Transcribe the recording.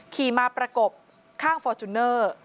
ขี่มาประกบข้างฟอร์จูเนอร์